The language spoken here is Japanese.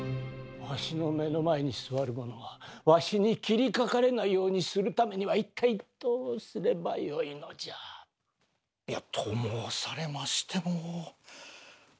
わしの目の前に座る者がわしに斬りかかれないようにするためには一体どうすればよいのじゃ。と申されましても。